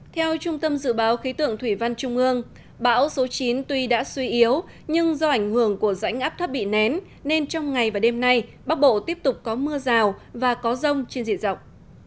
theo trung tâm dự báo khí tượng thủy văn trung ương bão số chín tuy đã suy yếu nhưng do ảnh hưởng của rãnh áp thấp bị nén nên trong ngày và đêm nay bắc bộ tiếp tục có mưa rào và có rông trên diện rộng